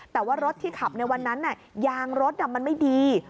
แต่ว่ารถที่ขับในวันนั้นยางรถมันไม่ดี